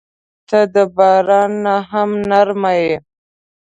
• ته د باران نه هم نرمه یې.